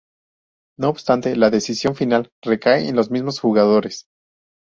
No obstante, la decisión final recae en los mismos jugadores.